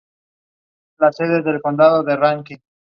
Fue escritor y periodista durante toda su vida.